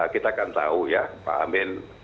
kita kan tahu ya pak amin